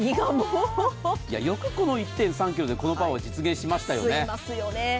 よくこの１．３ｋｇでこのパワーを実現しましたよね。